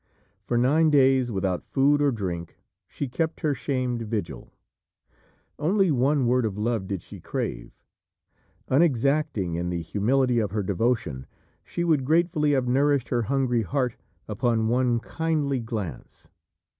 For nine days, without food or drink, she kept her shamed vigil. Only one word of love did she crave. Unexacting in the humility of her devotion, she would gratefully have nourished her hungry heart upon one kindly glance.